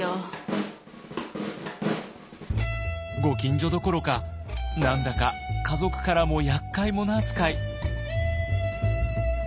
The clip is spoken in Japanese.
ご近所どころか何だか家族からもやっかい者扱い。